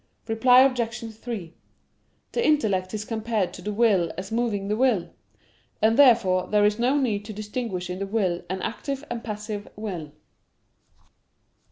Reply Obj. 3: The intellect is compared to the will as moving the will. And therefore there is no need to distinguish in the will an active and a passive will.